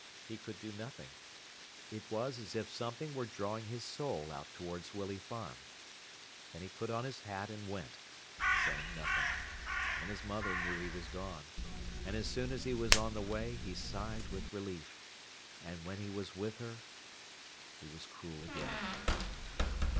He could do nothing. It was as if something were drawing his soul out towards Willey Farm. Then he put on his hat and went, saying nothing. And his mother knew he was gone. And as soon as he was on the way he sighed with relief. And when he was with her he was cruel again.